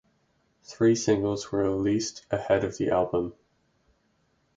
Three singles were released ahead of the album.